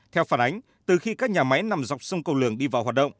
theo phản ánh từ khi các nhà máy nằm dọc sông cầu lường đi vào hoạt động